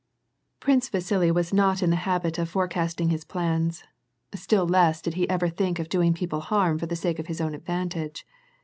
Prince Vasili was not in the habit of forecasting his plans. Still less did he ever think of doing people harm for the sake of his own advantage.